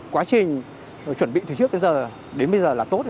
quá trình chuẩn bị từ trước đến bây giờ là tốt